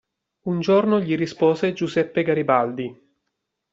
Un giorno gli rispose Giuseppe Garibaldi.